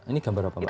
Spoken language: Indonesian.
ini gambar apa mbak